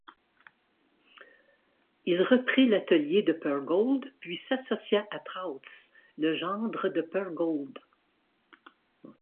Il reprit l'atelier de Purgold puis s'associa à Trautz, le gendre de Purgold.